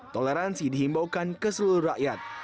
toleransi dihimbaukan ke seluruh rakyat